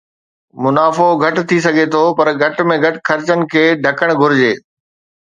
منافعو گهٽ ٿي سگهي ٿو پر گهٽ ۾ گهٽ خرچن کي ڍڪڻ گهرجي